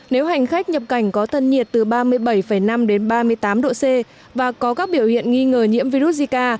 nếu hành khách nhập cảnh có thân nhiệt từ ba mươi bảy năm đến ba mươi tám độ c và có các biểu hiện nghi ngờ nhiễm virus zika